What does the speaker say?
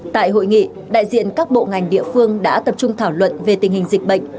tại hội nghị đại diện các bộ ngành địa phương đã tập trung thảo luận về tình hình dịch bệnh